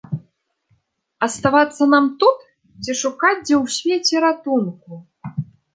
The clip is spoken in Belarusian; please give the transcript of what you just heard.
Аставацца нам тут ці шукаць дзе ў свеце ратунку?